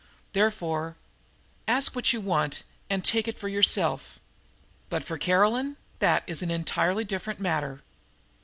Therefore, ask what you want and take it for yourself; but for Caroline, that is an entirely different matter.